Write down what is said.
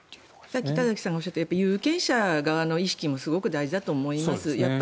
さっき田崎さんがおっしゃった有権者側の意識もすごく大事だと思います。